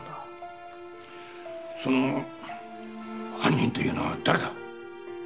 その犯人というのは誰だ？